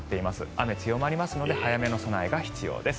雨、強まりますので早めの備えが必要です。